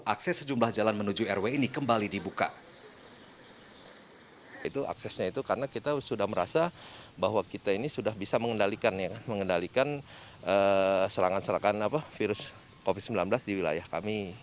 akses sejumlah jalan menuju rw ini kembali dibuka